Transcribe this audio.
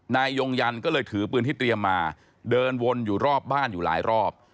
นายยงยันก็เลยถือปืนที่เตรียมมาเดินวนอยู่รอบบ้านอยู่หลายรอบ